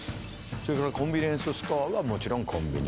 それからコンビニエンスストアはもちろんコンビニ。